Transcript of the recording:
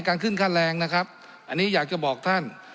การขึ้นค่าแรงนะครับอันนี้อยากจะบอกท่าน